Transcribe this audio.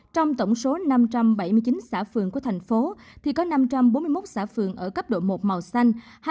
trong tổng số năm trăm bảy mươi chín xã phường của thành phố có năm trăm bốn mươi một xã phường ở cấp độ một màu xanh